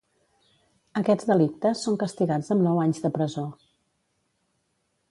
Aquests delictes són castigats amb nou anys de presó.